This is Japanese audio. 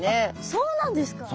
そうなんです。